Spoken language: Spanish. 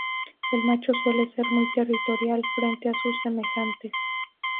El macho suele ser muy territorial frente a sus semejantes.